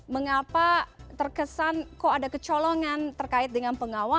mengapa terkesan kok ada kecolongan terkait dengan pengawasan